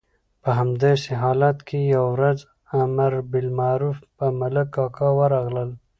په همداسې حالت کې یوه ورځ امر بالمعروف پر ملک کاکا ورغلل.